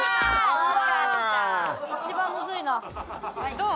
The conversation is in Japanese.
どう？